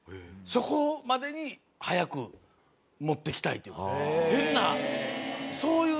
そこまでに早く持って行きたいっていうか。